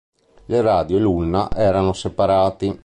Il radio e l'ulna erano separati.